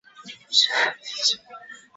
傻逼是吧？